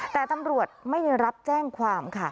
แต่ตำรวจไม่ได้รับแจ้งความค่ะ